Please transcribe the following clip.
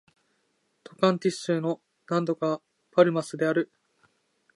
トカンティンス州の州都はパルマスである